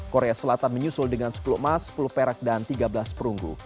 korea selatan menyusul dengan sepuluh emas sepuluh perak dan tiga belas perunggu